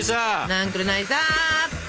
なんくるないさ！